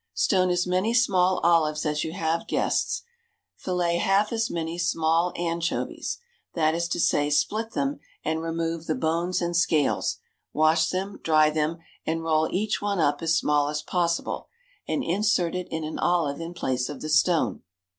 Stone as many small olives as you have guests; fillet half as many small anchovies that is to say, split them, and remove the bones and scales; wash them, dry them, and roll each one up as small as possible, and insert it in an olive in place of the stone.